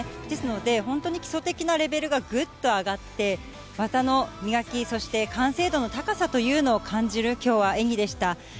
ですので本当に基礎的なレベルがぐっと上がって、技の磨きそして完成度の高さというのを感じる今日の演技でした。